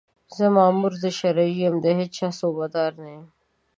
زه مامور د شرعي یم، د هېچا صوبه دار نه یم